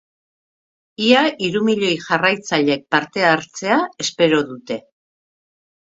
Ia hiru milioi jarraitzailek parte hartzea espero dute.